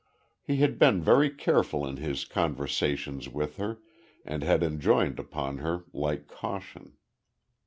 He had been very careful in his conversations with her, and had enjoined upon her like caution.